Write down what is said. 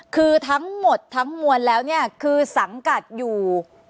คือทั้งหมดทั้งมวลแล้วเนี่ยคือสังกัดอยู่